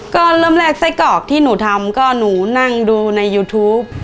ก็เริ่มแรกไส้กรอกที่หนูทำก็หนูนั่งดูในยูทูป